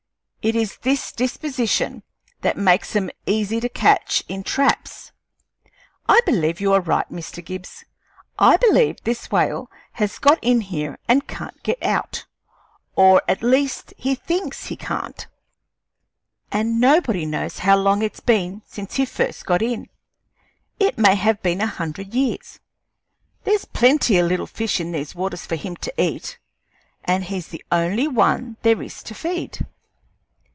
It is this disposition that makes 'em easy to catch in traps. I believe you are right, Mr. Gibbs. I believe this whale has got in here and can't get out or, at least, he thinks he can't and nobody knows how long it's been since he first got in. It may have been a hundred years ago. There's plenty o' little fish in these waters for him to eat, and he's the only one there is to feed."